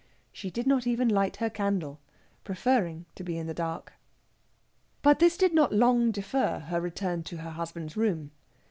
She did not even light her candle, preferring to be in the dark. But this did not long defer her return to her husband's room.